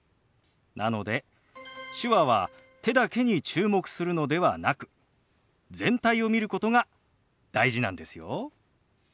なので手話は手だけに注目するのではなく全体を見ることが大事なんですよ。